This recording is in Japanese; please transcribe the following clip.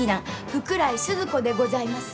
福来スズ子でございます。